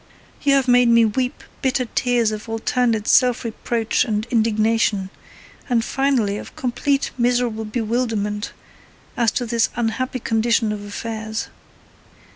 You have made me weep bitter tears of alternate self reproach and indignation, and finally of complete miserable bewilderment as to this unhappy condition of affairs.